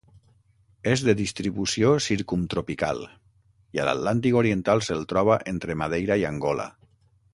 És de distribució circumtropical, i a l'Atlàntic oriental se'l troba entre Madeira i Angola.